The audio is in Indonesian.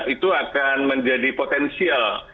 itu akan menjadi potensial